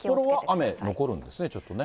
札幌は雨、残るんですね、ちょっとね。